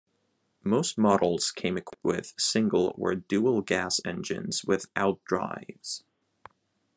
Most models came equipped with single or dual gas engines with outdrives.